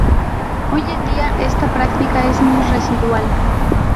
Hoy en día esta práctica es muy residual.